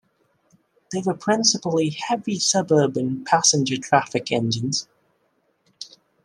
They were principally heavy suburban passenger traffic engines.